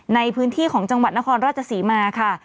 ในพื้นที่ของจังหวัดนครราชศรีมาค่ะ